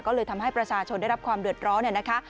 ก็เลยทำให้ประชาชนได้รับความเดือดร้อนเนี่ยนะคะ